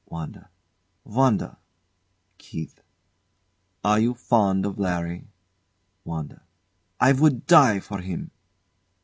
WANDA. Wanda. KEITH. Are you fond of Larry? WANDA. I would die for him!